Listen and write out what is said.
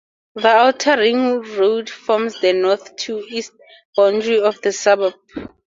The outer ring road forms the north to east boundary of the suburb.